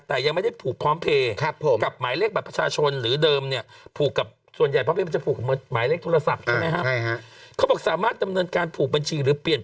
แต่ยังไม่ได้ผูกพร้อมเพลย์